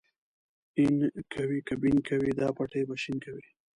اين کوې که بېن کوې دا پټی به شين کوې.